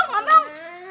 ih cari beginian